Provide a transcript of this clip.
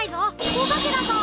おばけだぞ！